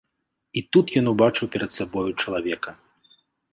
І тут ён убачыў перад сабою чалавека.